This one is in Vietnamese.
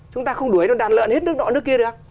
chúng ta không đuổi đàn lợn hết nước nọ nước kia được